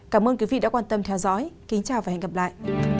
cảm ơn quý vị đã quan tâm theo dõi kính chào và hẹn gặp lại